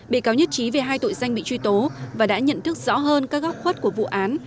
bị cáo nhất trí về hai tội danh bị truy tố và đã nhận thức rõ hơn các góc khuất của vụ án